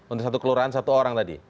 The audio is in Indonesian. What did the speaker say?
untuk satu kelurahan satu orang tadi